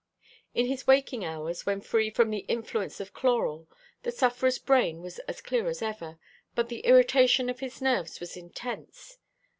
In his waking hours, when free from the influence of chloral, the sufferer's brain was as clear as ever; but the irritation of his nerves was intense.